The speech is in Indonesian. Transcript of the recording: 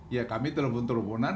ya kami telah berhubungan